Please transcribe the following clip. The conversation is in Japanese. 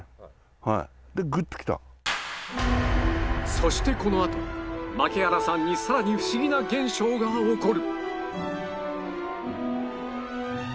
そしてこのあと槙原さんに更にフシギな現象が起こる！